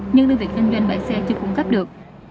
nhưng đơn vị kinh doanh bãi xe chưa cung cấp được